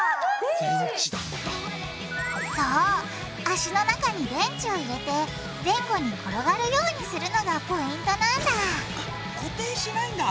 足の中に電池を入れて前後に転がるようにするのがポイントなんだ固定しないんだ。